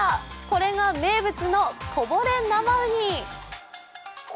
これが名物のこぼれ生うに。